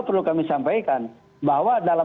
perlu kami sampaikan bahwa dalam